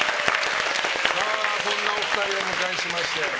そんなお二人をお迎えしまして。